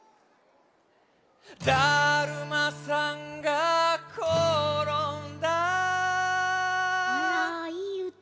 だるまさんがころんだあらいいうた。